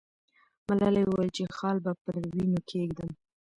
ملالۍ وویل چې خال به پر وینو کښېږدم.